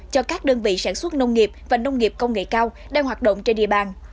cho các đơn vị sản xuất nông nghiệp và nông nghiệp công nghệ cao đang hoạt động trên địa bàn